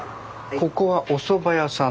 ここはおそば屋さん。